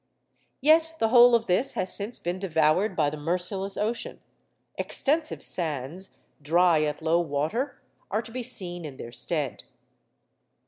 yet the whole of this has since been devoured by the merciless ocean; extensive sands, dry at low water, are to be seen in their stead.